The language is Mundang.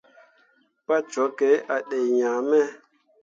Pa cwakke a dai ŋaa me.